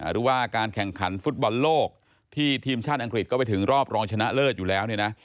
หรือว่าการแข่งขันฟุตบอลโลกที่ทีมชาติอังกฤษก็ไปถึงรอบรองชนะเลิศอยู่แล้วเนี่ยนะ